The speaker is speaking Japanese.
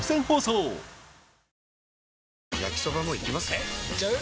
えいっちゃう？